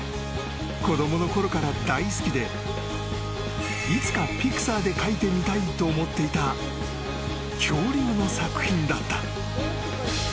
子供のころから大好きでいつかピクサーで描いてみたいと思っていた恐竜の作品だった］